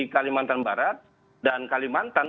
kalimantan barat dan kalimantan